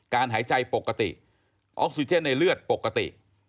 หายใจปกติออกซิเจนในเลือดปกติ